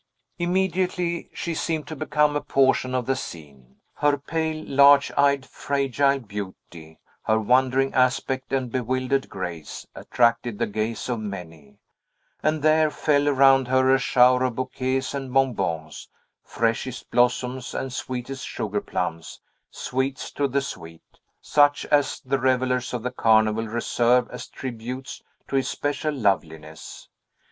Immediately she seemed to become a portion of the scene. Her pale, large eyed, fragile beauty, her wondering aspect and bewildered grace, attracted the gaze of many; and there fell around her a shower of bouquets and bonbons freshest blossoms and sweetest sugar plums, sweets to the sweet such as the revellers of the Carnival reserve as tributes to especial loveliness.